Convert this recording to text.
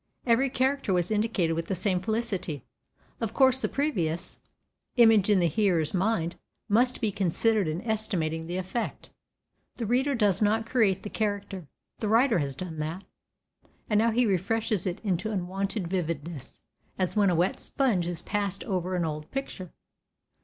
Every character was indicated with the same felicity. Of course the previous image in the hearer's mind must be considered in estimating the effect. The reader does not create the character, the writer has done that; and now he refreshes it into unwonted vividness, as when a wet sponge is passed over an old picture.